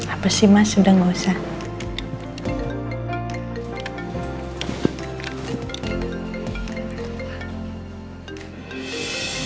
apa sih mas udah gak usah